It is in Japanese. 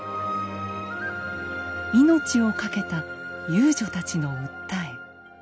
命を懸けた遊女たちの訴え。